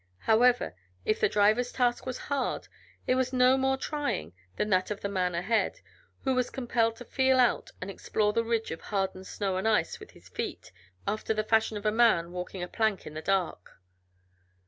However, if the driver's task was hard it was no more trying than that of the man ahead, who was compelled to feel out and explore the ridge of hardened snow and ice with his feet, after the fashion of a man walking a plank in the dark.